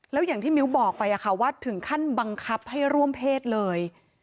แล้วอย่างที่มิ้วบอกไปว่าถึงขั้นบังคับให้ร่วมเพศเลย